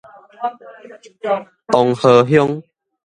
東河鄉